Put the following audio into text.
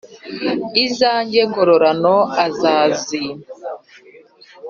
izanjye ngororano azazimpa,